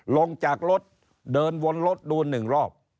ลงจากรถเดินวนรถดู๑รอบ